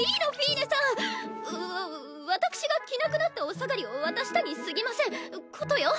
わわ私が着なくなったお下がりを渡したにすぎませんことよ。